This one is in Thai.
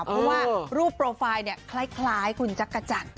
เพราะว่ารูปโปรไฟล์คล้ายคุณจักรจันทร์